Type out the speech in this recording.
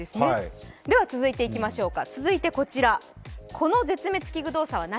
では続いてこちら、この絶滅危惧動作は何？